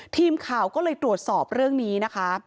ทีมข่าวก็เลยตรวจสอบเรื่องนี้นะคะ